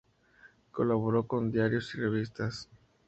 Colaboró con diarios y revistas.